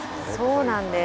そうなんです。